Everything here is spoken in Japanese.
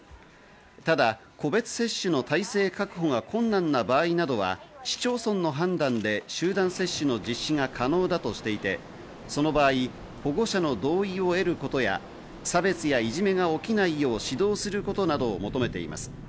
ただ個別接種の体制確保が困難な場合などは市町村の判断で集団接種の実施が可能だとしていて、その場合、保護者の同意を得ることや差別やいじめが起きないよう指導することなどを求めています。